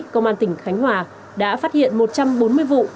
công an tỉnh khánh hòa đã phát hiện một trăm bốn mươi vụ